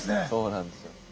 そうなんですよ。